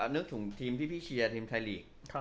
นึกถึงทีมที่พี่เชียร์ทีมไทยลีก